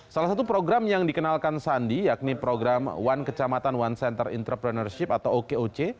salah satu program yang dikenalkan sandi yakni program one kecamatan one center entrepreneurship atau okoc